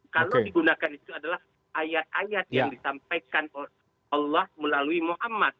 kalau digunakan itu adalah ayat ayat yang disampaikan allah melalui muhammad